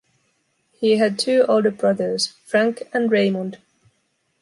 He had two older brothers, Frank and Raymond.